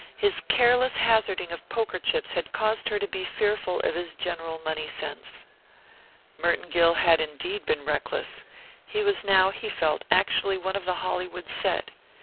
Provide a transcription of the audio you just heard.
His careless hazarding of poker chips had caused her to be fearful of his general money sense. Merton Gill had indeed been reckless. He was now, he felt, actually one of the Hollywood set.